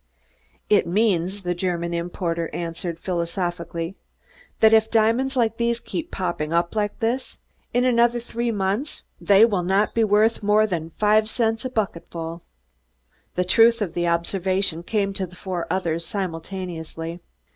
"Id means," the German importer answered philosophically, "dat if diamonds like dese keep popping up like dis, dat in anoder d'ree months dey vill nod be vorth more as five cents a bucketful." The truth of the observation came to the four others simultaneously.